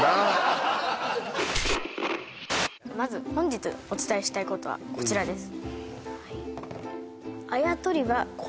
まず本日お伝えしたいことはこちらです